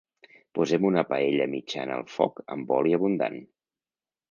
Posem una paella mitjana al foc amb oli abundant.